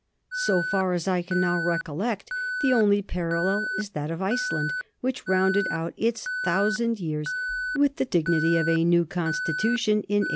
So far as I can now recollect, the only parallel is that of Iceland, which rounded out its thousand years with the dignity of a new constitution in 1874.